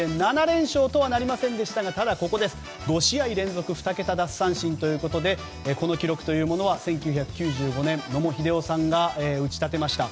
７連勝とはなりませんでしたが５試合連続の２桁奪三振ということでこの記録というものは１９９５年、野茂英雄さんが打ち立てました